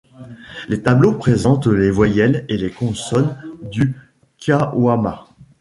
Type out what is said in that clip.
Les tableaux présentent les voyelles et les consonnes du kwama.